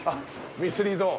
ミステリーゾーン。